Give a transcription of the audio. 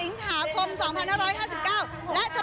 และฉบับร่วมหน้าวันที่๕สิงหาคม๒๕๕๙